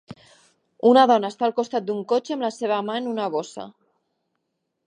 Una dona està al costat d'un cotxe amb la seva mà en una bossa.